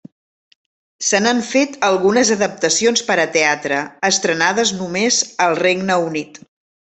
Se n'han fet algunes adaptacions per a teatre, estrenades només al Regne Unit.